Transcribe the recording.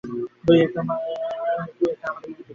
তুই একা আমাদের দুইটা মেয়েকে সামলাতে পারবি না।